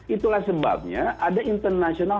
itulah sebabnya ada international